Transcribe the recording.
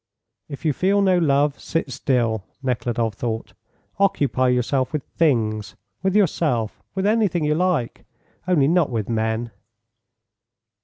If you feel no love, sit still," Nekhludoff thought; "occupy yourself with things, with yourself, with anything you like, only not with men.